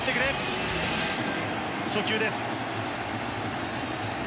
初球です。